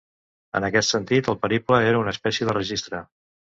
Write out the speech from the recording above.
En aquest sentit, el periple era una espècie de registre.